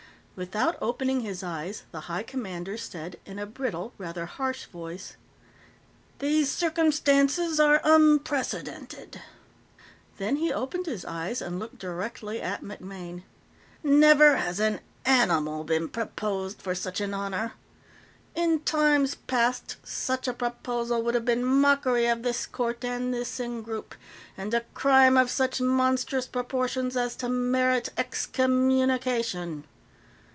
Without opening his eyes, the High Commander said, in a brittle, rather harsh voice, "These circumstances are unprecedented." Then he opened his eyes and looked directly at MacMaine. "Never has an animal been proposed for such an honor. In times past, such a proposal would have been mockery of this Court and this Ingroup, and a crime of such monstrous proportions as to merit Excommunication."